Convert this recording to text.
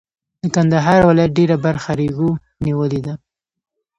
د کندهار ولایت ډېره برخه ریګو نیولې ده.